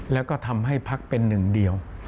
แล้วก็ทำให้พักเป็นหนึ่งเดียว